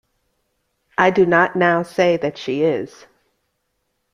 I do not now say that she is.